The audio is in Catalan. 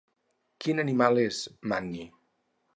Quin animal és Manny?